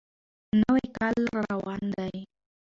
نوی کال را روان دی.